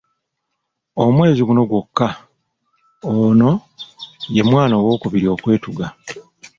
Omwezi guno gwokka, ono ye mwana owokubiri okwetuga.